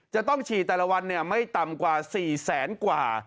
จะต้องฉีดแต่ละวันไม่ต่ำกว่า๔แสนกว่า